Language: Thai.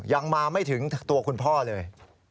ยังมาไม่ถึงตัวคุณพ่อเลย